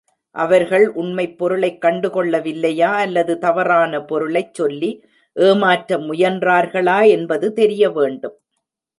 அவர்கள் உண்மைப் பொருளைக் கண்டு கொள்ளவில்லையா, அல்லது தவறான பொருளைச் சொல்லி ஏமாற்ற முயன்றார்களா என்பது தெரிய வேண்டும்.